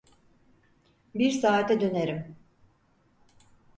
Bir saate dönerim.